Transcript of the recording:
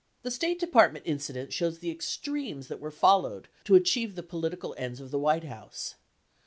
The State Department incident shows the extremes that were fol lowed to achieve the political ends of the White House.